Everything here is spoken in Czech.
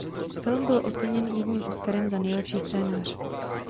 Film byl oceněn jedním Oscarem za nejlepší scénář.